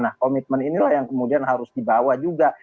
nah komitmen inilah yang kemudian harus dibawa juga